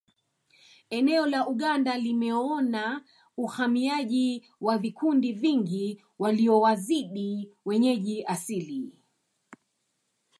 Eneo la Uganda limeona uhamiaji wa vikundi vingi waliowazidi wenyeji asili